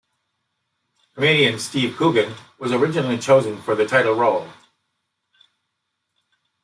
Comedian Steve Coogan was originally chosen for the title role.